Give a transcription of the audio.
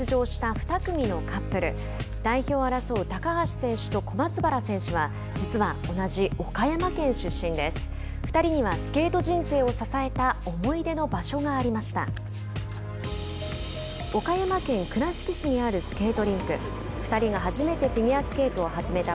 ２人にはスケート人生を支えた思い出の場所がありました。